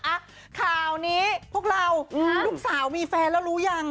อ่ะข่าวนี้พวกเราลูกสาวมีแฟนแล้วรู้ยัง